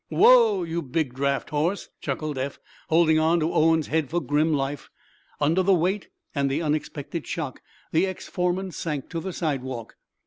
"Whoa, you big draft horse!" chuckled Eph, holding on to Owen's head for grim life. Under the weight and the unexpected shock the ex foreman sank to the sidewalk.